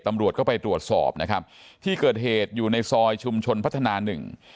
ตำรวจก็ไปตรวจสอบนะครับที่เกิดเหตุอยู่ในซอยชุมชนพัฒนาหนึ่ง